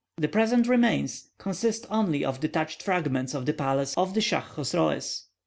The present remains consist only of detached fragments of the palace of the Schah Chosroes.